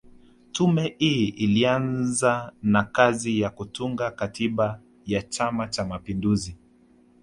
Tume hii ilianza na kazi ya kutunga katiba ya Chama Cha Mapinduzi